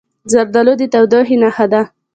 زردالو د تودوخې نښه ده.